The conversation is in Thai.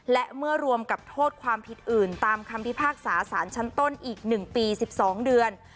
และเมื่อรวมกับโทษความผิดอื่นตามคำพิพากษาสารชั้นต้นอีก๑ปี๑๒เดือน